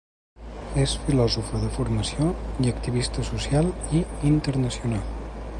És filòsofa de formació i activista social i internacional.